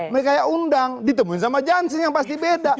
mereka yang undang ditemuin sama janssen yang pasti beda